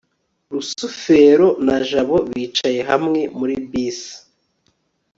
rusufero na jabo bicaye hamwe muri bisi